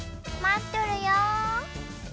待っとるよ！